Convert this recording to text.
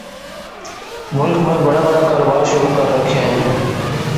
ملک میں بڑے بڑے کاروبار شروع کر رکھے ہیں